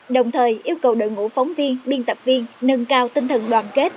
đồng thời yêu cầu đội ngũ phóng viên biên tập viên nâng cao tinh thần đoàn kết